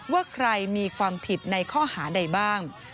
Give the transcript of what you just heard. ว่าใครมีความผิดในข้อหาใดบ้าง